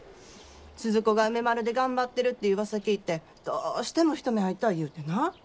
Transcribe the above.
スズ子が梅丸で頑張ってるってうわさ聞いてどうしても一目会いたい言うてな。